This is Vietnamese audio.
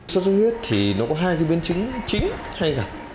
số xuất huyết thì nó có hai cái biến chứng chính hay cả